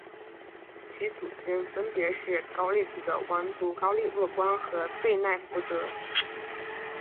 其祖先分别是高句丽的王族高丽若光和背奈福德。